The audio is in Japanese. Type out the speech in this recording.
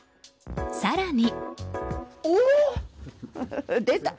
更に。